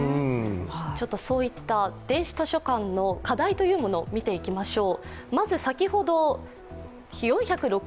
そういった電子図書館の課題を見ていきましょう。